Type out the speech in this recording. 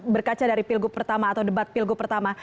berkaca dari pilgub pertama atau debat pilgub pertama